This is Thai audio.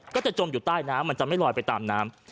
จมอยู่ใต้น้ำมันจะไม่ลอยไปตามน้ำ